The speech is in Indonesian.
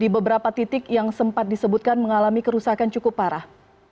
di beberapa titik yang sempat disebutkan mengalami kerusakan cukup parah